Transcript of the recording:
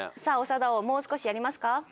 さあ長田王もう少しやりますか？